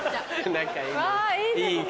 仲いいね。